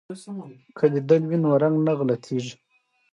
که لیدل وي نو رنګ نه غلطیږي.